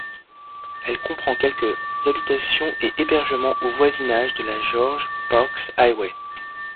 Elle comprend quelques habitations et hébergements au voisinage de la George Parks Highway.